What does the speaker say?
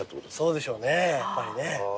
そうでしょうねやっぱりね。